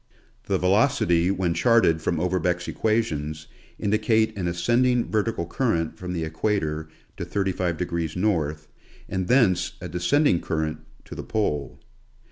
The velocity when charted from Overbeck's equations indicate an ascending vertical current from the equator to 35° north, and thence a descending current to the pole.